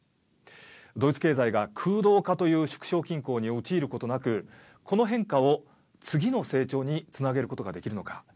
ドイツ経済が空洞化という縮小均衡に陥ることなくこの変化を次の成長につなげることができるのか。